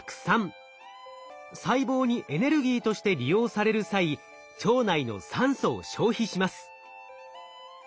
細胞にエネルギーとして利用される際腸内の酸素を消費します。